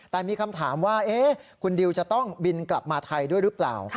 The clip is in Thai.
แต่มีคำถามว่าคุณดิวจะต้องบินกลับมาไทยด้วยหรือเปล่า